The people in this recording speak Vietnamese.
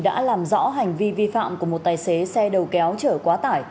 đã làm rõ hành vi vi phạm của một tài xế xe đầu kéo chở quá tải